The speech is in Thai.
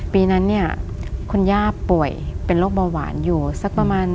ปีนั้นเนี่ยคุณย่าป่วยเป็นโรคเบาหวานอยู่สักประมาณ